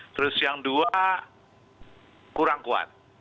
terus yang dua kurang kuat